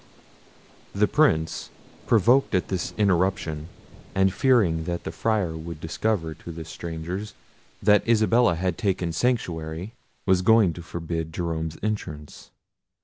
The Prince, provoked at this interruption, and fearing that the Friar would discover to the strangers that Isabella had taken sanctuary, was going to forbid Jerome's entrance.